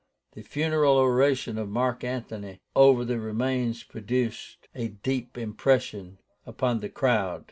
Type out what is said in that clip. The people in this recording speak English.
The funeral oration of Mark Antony over the remains produced a deep impression upon the crowd.